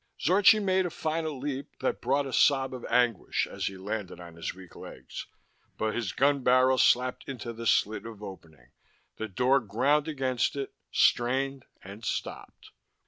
Zorchi made a final leap that brought a sob of anguish as he landed on his weak legs, but his gun barrel slapped into the slit of opening. The door ground against it, strained and stopped.